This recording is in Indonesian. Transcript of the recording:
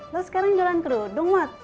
lo sekarang jalan kerudung mot